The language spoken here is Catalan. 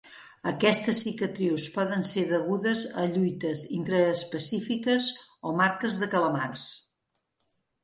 Aquestes cicatrius poden ser degudes a lluites intraespecífiques o marques de calamars.